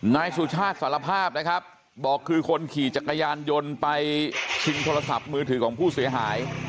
นายสุชาติสารภาพนะครับบอกคือคนขี่จักรยานยนต์ไปชิงโทรศัพท์มือถือของผู้เสียหาย